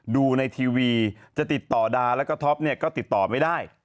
ดูในทีวีจะติดต่อดาแล้วก็ท็อปเนี่ยก็ติดต่อไม่ได้